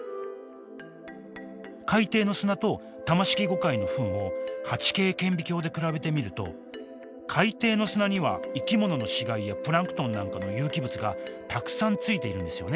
海底の砂とタマシキゴカイのフンを８Ｋ顕微鏡で比べてみると海底の砂には生き物の死骸やプランクトンなんかの有機物がたくさんついているんですよね。